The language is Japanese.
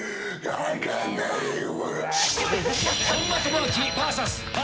分からないよ